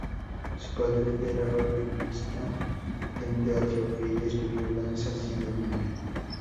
Su padre era organista de un teatro, y ella estudió danza siendo niña.